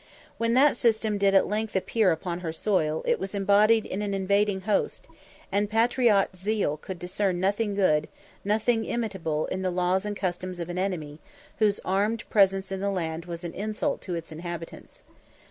When that system did at length appear upon her soil it was embodied in an invading host, and patriot zeal could discern nothing good, nothing imitable in the laws and customs of an enemy, whose armed presence in the land was an insult to its inhabitants.